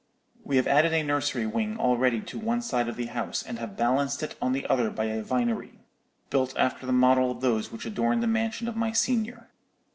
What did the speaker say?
We have added a nursery wing already to one side of the house, and have balanced it on the other by a vinery, built after the model of those which adorn the mansion of my senior.